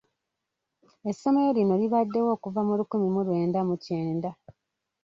Essomero lino libaddewo okuva mu lukumi mu lwenda mu kyenda.